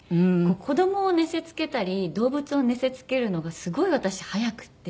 子供を寝せつけたり動物を寝せつけるのがすごい私早くて。